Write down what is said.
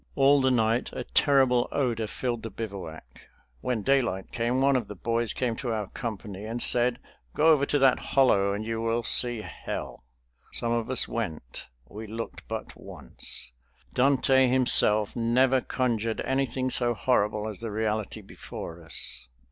All the night a terrible odor filled the bivouac. When daylight came one of the boys came to our company and said, "Go over to that hollow, and you will see hell." Some of us went. We looked but once. Dante himself never conjured anything so horrible as the reality before us.